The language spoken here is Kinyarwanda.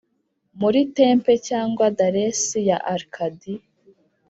muri tempe cyangwa dales ya arcady?